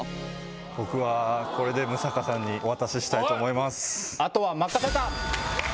僕はこれで六平さんにお渡ししたいと思います